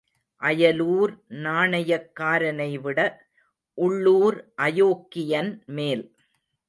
அயலூர் நாணயக்காரனைவிட உள்ளூர் அயோக்கியன் மேல்.